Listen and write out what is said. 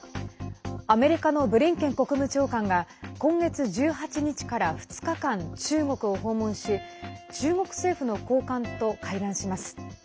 アメリカのブリンケン国務長官が今月１８日から２日間中国を訪問し中国政府の高官と会談します。